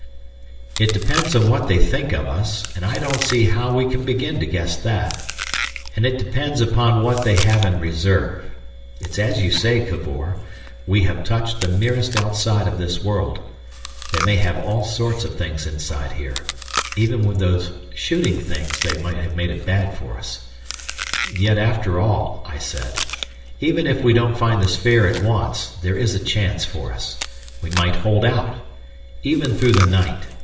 "It depends on what they think of us, and I don't see how we can begin to guess that. And it depends upon what they have in reserve. It's as you say, Cavor, we have touched the merest outside of this world. They may have all sorts of things inside here. Even with those shooting things they might make it bad for us.... "Yet after all," I said, "even if we don't find the sphere at once, there is a chance for us. We might hold out. Even through the night.